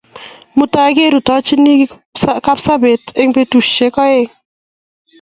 Mutai kerutochini Kapsabet eng' petusyek aeng'